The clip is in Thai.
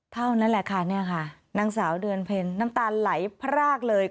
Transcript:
เท่านั้นแหละค่ะเนี่ยค่ะนางสาวเดือนเพ็ญน้ำตาไหลพรากเลย